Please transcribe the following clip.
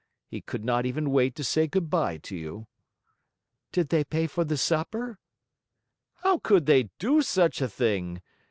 He could not even wait to say good by to you." "Did they pay for the supper?" "How could they do such a thing?